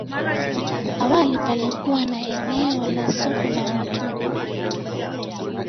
Awali palikuwa ni eneo la soko la watumwa